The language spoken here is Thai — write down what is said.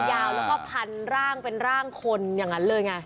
ยาวแล้วก็พันร่างเป็นร่างคนอย่างนั้นเลยไง